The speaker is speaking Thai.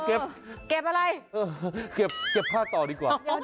เก็บเก็บอะไรเก็บผ้าต่อดีกว่า